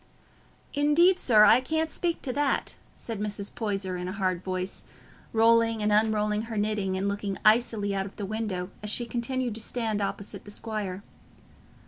"Indeed, sir, I can't speak to that," said Mrs. Poyser in a hard voice, rolling and unrolling her knitting and looking icily out of the window, as she continued to stand opposite the squire.